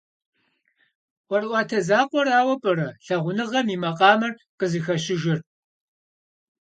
ӀуэрыӀуатэ закъуэрауэ пӀэрэ лъагъуныгъэм и макъамэр къызыхэщыжыр?